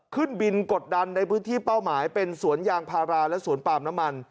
ขึ้นบินกดดันในพื้นที่เป้าหมายเป็นสวนยางพาราและสวนปาล์มน้ำมัน